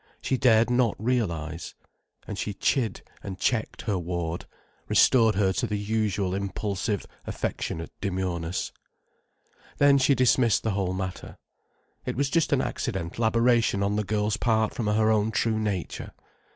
She dared not realize. And she chid and checked her ward, restored her to the usual impulsive, affectionate demureness. Then she dismissed the whole matter. It was just an accidental aberration on the girl's part from her own true nature.